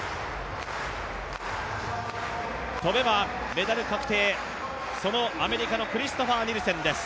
跳べばメダル確定、そのアメリカのクリストファー・ニルセンです。